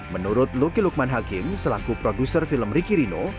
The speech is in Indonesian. menurut luki lukman hakim selaku produser film ricky rino